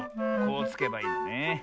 こうつけばいいのね。